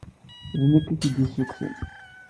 D nekk i k-id-yessukksen.